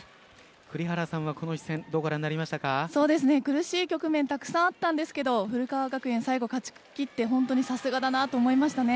栗原さんはこの一戦どうご覧になりましたか？苦しい局面たくさんあったんですけど古川学園、最後、勝ち切って本当にさすがだなと思いましたね。